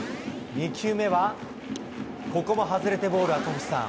２球目は、ここも外れてボール、赤星さん。